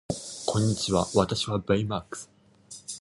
こんにちは私はベイマックス